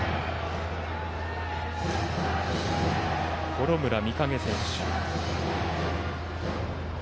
幌村魅影選手。